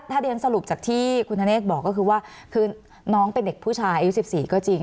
ถ้าเรียนสรุปจากที่คุณธเนธบอกก็คือว่าคือน้องเป็นเด็กผู้ชายอายุ๑๔ก็จริง